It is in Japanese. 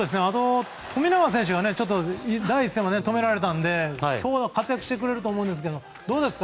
富永選手がちょっと第１戦は止められたので今日は活躍してくれると思いますがどうですか？